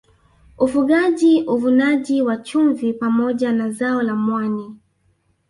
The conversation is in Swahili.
Ufugaji Uvunaji wa chumvi pamoja na zao la mwani